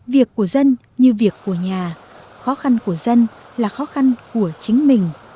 việc của dân như việc của nhà khó khăn của dân là khó khăn của chính mình